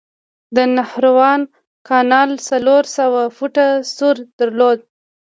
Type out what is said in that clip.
د نهروان کانال څلور سوه فوټه سور درلود.